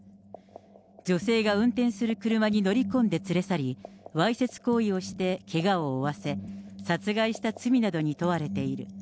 女性が運転する車に乗り込んで連れ去り、わいせつ行為をして、けがを負わせ、殺害した罪などに問われている。